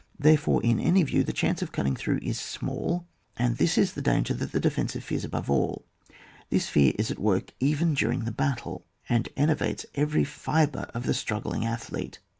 Therefore, in any view, the chance of cutting through is small, and this is the danger that ti^e defensive fears above all ; this fear is at work even diiring the battle, and ener vates every fibre of the struggling ath lete.